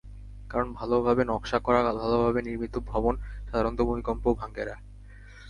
কারণ, ভালোভাবে নকশা করা, ভালোভাবে নির্মিত ভবন সাধারণত ভূমিকম্পেও ভাঙে না।